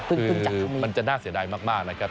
มันจะน่าเสียดายมากนะครับ